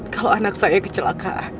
kalau anak saya kecelakaan